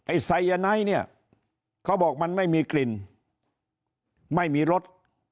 ไซยาไนท์เนี่ยเขาบอกมันไม่มีกลิ่นไม่มีรส